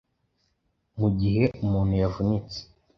mu gihe umuntu yavunitse